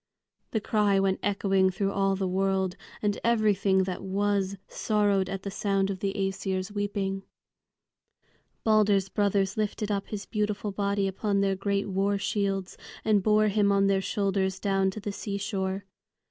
the cry went echoing through all the world, and everything that was sorrowed at the sound of the Æsir's weeping. Balder's brothers lifted up his beautiful body upon their great war shields and bore him on their shoulders down to the seashore.